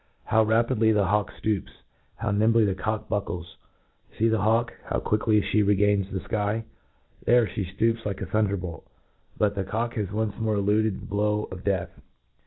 How rapidly the hawk ftoops— Jiowniinbly the cock buckles WScc the hawk! how quickly flie regains the iky ! dicrc (he (iopps like a thunderbolt !— but the cock has once more eluded the blow of death